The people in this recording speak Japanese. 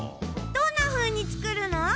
どんなふうに作るの？